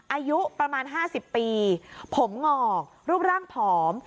อายุประมาณ๕๐ปีผมหงอกรูปร่างผอม